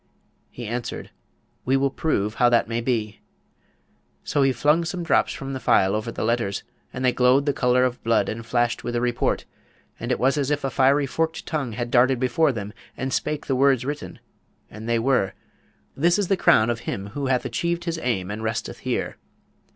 He answered, 'We will prove how that may be.' So he flung some drops from the phial over the letters, and they glowed the colour of blood and flashed with a report, and it was as if a fiery forked tongue had darted before them and spake the words written, and they were, 'This is the crown of him who bath achieved his aim and resteth here.'